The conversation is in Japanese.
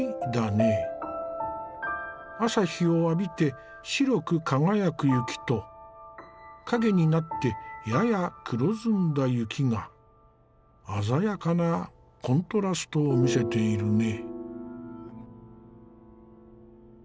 朝日を浴びて白く輝く雪と陰になってやや黒ずんだ雪が鮮やかなコントラストを見せているね。